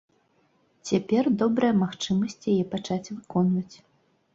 Цяпер добрая магчымасць яе пачаць выконваць.